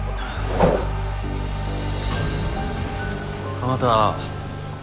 蒲田。